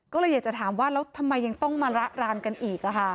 ก็เลยอยากจะถามว่าแล้วทำไมยังต้องมาระรานกันอีก